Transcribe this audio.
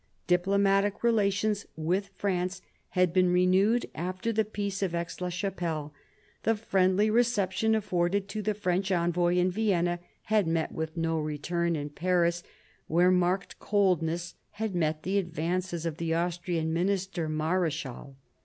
Diplomatic relations with France had been renewed after the Peace of Aix la Chapelle. The friendly reception afforded to the French envoy in Vienna had met with no return in Paris, 92 MARIA THERESA chap, v where marked coldness had met the advances of the Austrian minister, Mareschal.